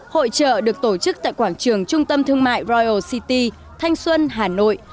hội trợ được tổ chức tại quảng trường trung tâm thương mại royal city thanh xuân hà nội